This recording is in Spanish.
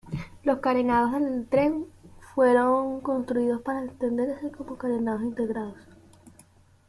Los carenados del tren fueron construidos para extenderse como carenados integrados.